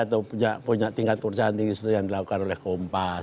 atau punya tingkat perusahaan tinggi seperti yang dilakukan oleh kompas